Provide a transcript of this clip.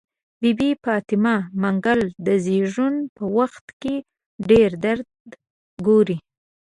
بي بي فاطمه منګل د زيږون په وخت کې ډير درد ګوري.